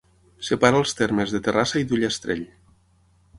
Separa els termes de Terrassa i d'Ullastrell.